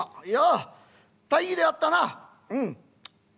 「いや大儀であったなうん。